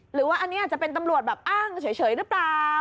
หรือว่าอันนี้อาจจะเป็นตำรวจแบบอ้างเฉยหรือเปล่า